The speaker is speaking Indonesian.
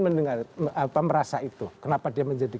merasa itu kenapa dia menjadi